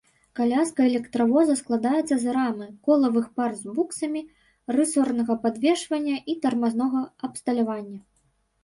Каляска электравоза складаецца з рамы, колавых пар з буксамі, рысорнага падвешвання і тармазнога абсталявання.